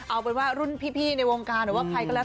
เอาเป็นว่ารุ่นพี่ในวงการหรือว่าใครก็แล้ว